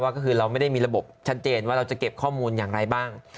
ก็คือเราไม่ได้มีระบบชัดเจนว่าเราจะเก็บข้อมูลอย่างไรบ้าง